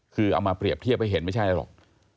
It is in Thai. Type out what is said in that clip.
คือเอามาเปรียบเทียบให้เห็นไม่ใช่อะไรหรอก